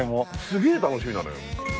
すげえ楽しみなのよ。